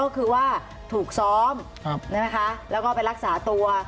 ก็คือว่าถูกซ้อมแล้วก็ไปรักษาตัว